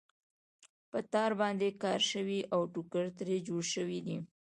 په تار باندې کار شوی او ټوکر ترې جوړ شوی دی.